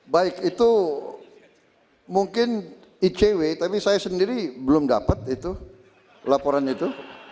baik itu mungkin icw tapi saya sendiri belum dapat itu laporan itu